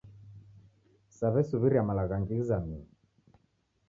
Saw'esuw'iria malagho ghangi ghizamie